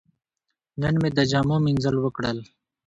نن مې د جامو مینځل وکړل.